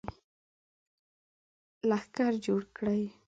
لښکر جوړ کړي.